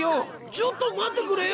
ちょっと待ってくれよ。